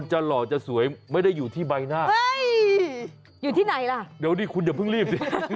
เฮ้ยจะพูดอะไรต่อ